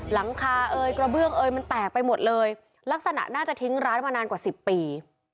หลังคาเอยกระเบื้องเอยมันแตกไปหมดเลยลักษณะน่าจะทิ้งร้านมานานกว่าสิบปี